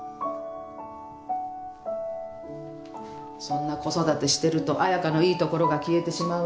そんな子育てしてると彩香のいいところが消えてしまうよ。